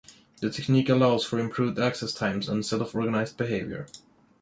The technique allows for improved access times and self-organized behavior.